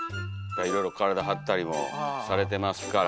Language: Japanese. いろいろ体張ったりもされてますから。